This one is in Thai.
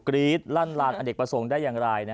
รี๊ดลั่นลานอเนกประสงค์ได้อย่างไร